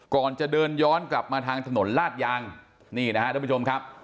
ก่อนจะเดินย้อนกลับมาทางถนนลาดยางนี่นะครับท่านผู้ชมครับ